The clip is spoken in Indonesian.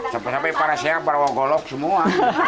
sampai sampai para sehat para wonggolog semua